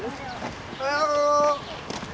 おはよう。